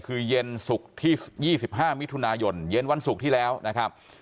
คือเย็นศุกร์ที่๒๕มิถุนายนเย็นวันศุกร์ที่แล้วนะครับ